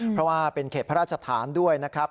เพราะว่าเป็นเขตพระราชฐานด้วยนะครับ